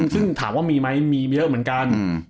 ซึ่งถามว่ามีไหมมีเยอะเหมือนกัน